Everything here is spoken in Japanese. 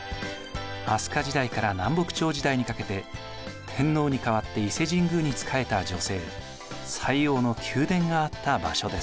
飛鳥時代から南北朝時代にかけて天皇に代わって伊勢神宮に仕えた女性斎王の宮殿があった場所です。